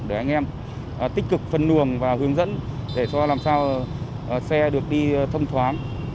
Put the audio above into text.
để anh em tích cực phân nguồn và hướng dẫn để làm sao xe được đi thông thoáng